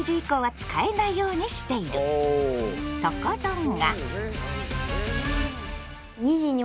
ところが。